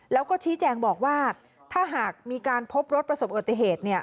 แล้วก็ชี้แจงบอกว่าถ้าหากมีการพบรถประสบอุบัติเหตุ